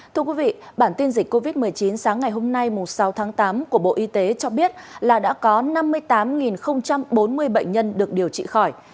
thưa quý vị bản tin dịch covid một mươi chín sáng ngày hôm nay sáu tháng tám của bộ y tế cho biết là đã có năm mươi tám bốn mươi bệnh nhân được điều trị khỏi